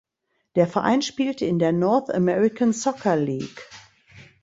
Der Verein spielte in der North American Soccer League.